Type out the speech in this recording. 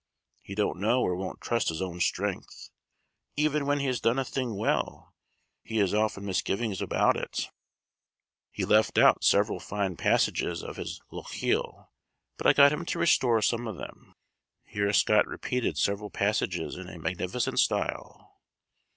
He don't know or won't trust his own strength. Even when he has done a thing well, he has often misgivings about it. He left out several fine passages of his Lochiel, but I got him to restore some of them." Here Scott repeated several passages in a magnificent style.